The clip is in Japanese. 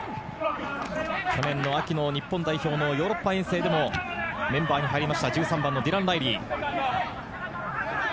去年の秋の日本代表のヨーロッパ遠征でも、メンバーに入りました、１３番のディラン・ライリー。